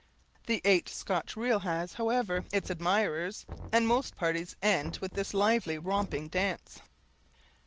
The eight Scotch reel has, however, its admirers, and most parties end with this lively romping dance.